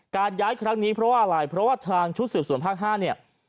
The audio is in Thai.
การย้ายครั้งนี้เพราะว่าอะไรทางชุดสืบส่วนภาคห้าเนี่ย